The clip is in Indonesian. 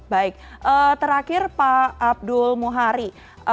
baik terakhir pak abdul muhari